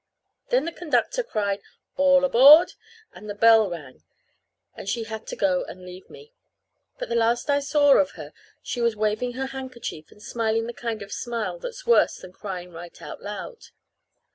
Then the conductor cried, "All aboard!" and the bell rang, and she had to go and leave me. But the last I saw of her she was waving her handkerchief, and smiling the kind of a smile that's worse than crying right out loud.